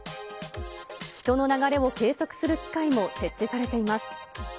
人の流れを計測する機械も設置されています。